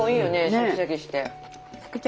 シャキシャキして。